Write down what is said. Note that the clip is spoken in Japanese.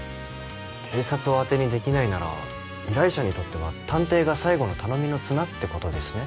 警察を当てにできないなら依頼者にとっては探偵が最後の頼みの綱ってことですね。